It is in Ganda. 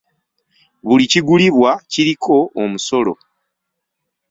Buli kigulibwa kiriko omusolo.